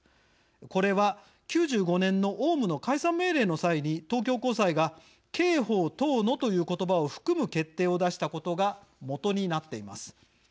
これは９５年のオウムの解散命令の際に東京高裁が「刑法等の」という言葉を含む決定を出したことが基になっています。